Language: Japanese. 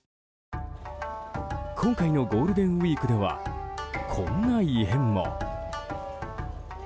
今回のゴールデンウィークではこんな異変も。